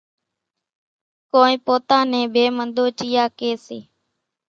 ڪونئين پوتا نين ڀيمۮوچيئا ڪيَ سي۔